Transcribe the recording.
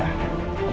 aku akan menemukanmu